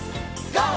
ＧＯ！